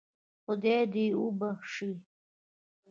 خدای دې وبخشي.